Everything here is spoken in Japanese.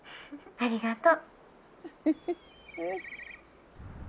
ありがとう。